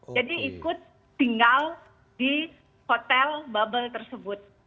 jadi ikut tinggal di hotel bubble tersebut